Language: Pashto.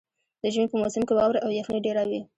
د ژمي په موسم کې واوره او یخني ډېره وي.